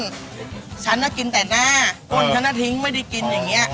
ฉันน่ะกินแต่หน้าต้นฉันน่ะทิ้งไม่ได้กินอย่างนี้